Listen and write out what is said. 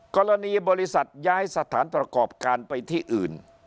กรณีบริษัทย้ายสถานประกอบการไปที่อื่น